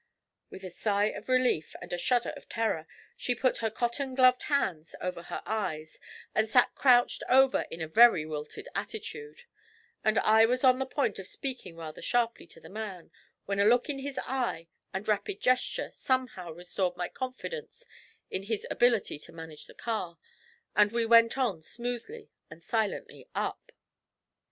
With a sigh of relief and a shudder of terror, she put her cotton gloved hands over her eyes, and sat crouched over in a very wilted attitude; and I was on the point of speaking rather sharply to the man, when a look in his eye and a rapid gesture somehow restored my confidence in his ability to manage the car, and we went on smoothly and silently up.